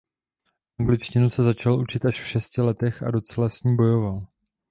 Angličtinu se začal učit až v šesti letech a docela s ní bojoval.